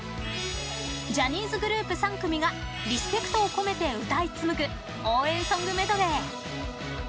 ジャニーズグループ三組がリスペクトを込めて歌い紡ぐ応援ソングメドレー。